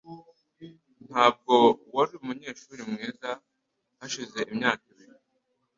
Ntabwo wari umunyeshuri mwiza hashize imyaka ibiri